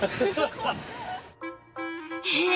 へえ！